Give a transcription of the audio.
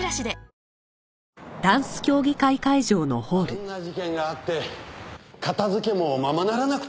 あんな事件があって片付けもままならなくて。